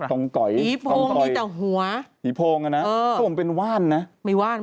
ผีโพงมีแต่หัวดีพรูเป็นว่านนะไม่เอาไป